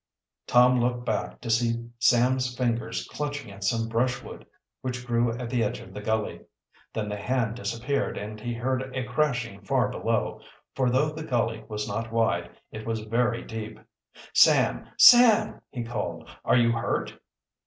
Tom looked back, to see Sam's fingers clutching at some brushwood which grew at the edge of the gully. Then the hand disappeared and he heard a crashing far below, for though the gully was not wide, it was very deep. "Sam! Sam!" he called. "Are you hurt?"